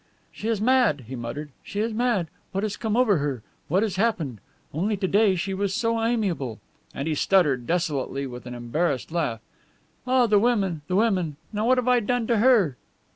"She is mad," he muttered. "She is mad. What has come over her? What has happened? Only to day she was so, so amiable." And he stuttered, desolately, with an embarrassed laugh: "Ah, the women, the women! Now what have I done to her?"